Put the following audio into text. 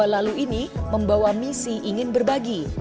dua ribu dua puluh dua lalu ini membawa misi ingin berbagi